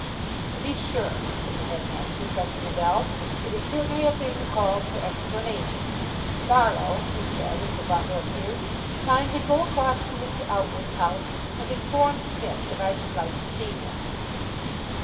"To be sure," said the headmaster, pressing a bell. "It is certainly a thing that calls for explanation. Barlow," he said, as the butler appeared, "kindly go across to Mr. Outwood's house and inform Smith that I should like to see him."